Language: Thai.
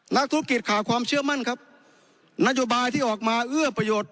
นักธุรกิจขาความเชื่อมั่นครับนโยบายที่ออกมาเอื้อประโยชน์